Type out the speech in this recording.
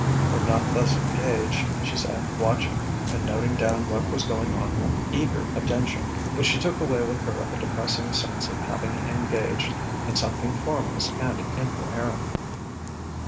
When not thus engaged, she sat watching and noting down what was going on with eager attention. But she took away with her a depressing sense of having engaged in something formless and incoherent.